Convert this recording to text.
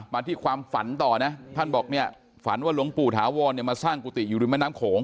มาที่ความฝันต่อนะท่านบอกเนี่ยฝันว่าหลวงปู่ถาวรเนี่ยมาสร้างกุฏิอยู่ริมแม่น้ำโขง